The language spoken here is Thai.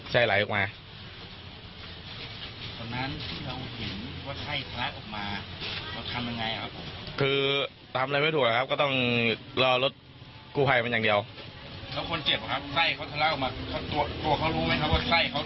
ตัวเค้ารู้ไหมครับว่า